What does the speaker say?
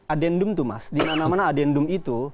adendum tuh mas di mana mana adendum itu